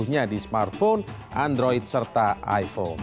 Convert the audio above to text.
nya di smartphone android serta iphone